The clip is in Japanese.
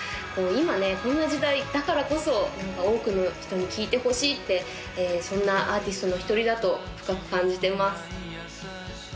今ねこんな時代だからこそ多くの人に聴いてほしいってそんなアーティストの一人だと深く感じています